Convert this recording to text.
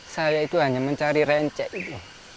saya itu hanya mencari rence itu